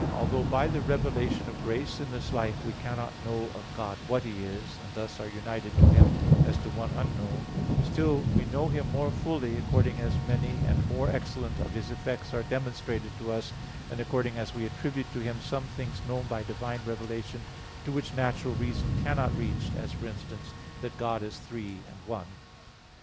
1: Although by the revelation of grace in this life we cannot know of God "what He is," and thus are united to Him as to one unknown; still we know Him more fully according as many and more excellent of His effects are demonstrated to us, and according as we attribute to Him some things known by divine revelation, to which natural reason cannot reach, as, for instance, that God is Three and One.